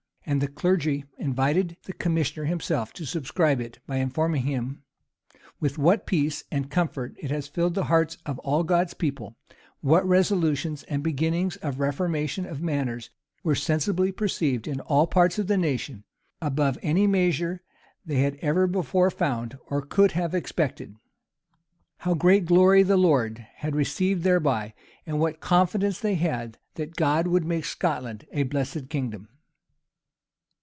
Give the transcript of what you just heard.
[] And the clergy invited the commissioner himself to subscribe it, by informing him "with what peace and comfort it had filled the hearts of all God's people; what resolutions and beginnings of reformation of manners were sensibly perceived in all parts of the nation, above any measure they had ever before found or could have expected; how great glory the Lord had received thereby; and what confidence they had that God would make Scotland a blessed kingdom."